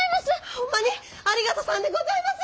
ホンマにありがとさんでございます！